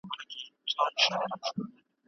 آیینه ماته که چي ځان نه وینم تا ووینم